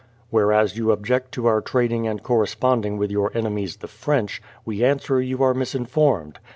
Whereas you object to our trading and corresponding with your enemies the French, we answer you are misinformed.